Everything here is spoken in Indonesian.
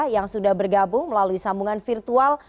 yang sudah bergabung melalui sambungan virtual